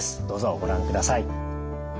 どうぞご覧ください。